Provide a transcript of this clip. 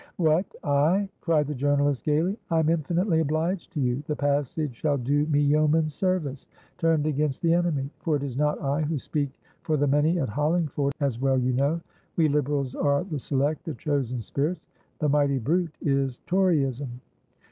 "What, I?" cried the journalist, gaily. "I'm infinitely obliged to you. The passage shall do me yeoman's serviceturned against the enemy. For it is not I who speak for the many at Hollingford, as well you know. We Liberals are the select, the chosen spirits. The mighty brute is Toryism."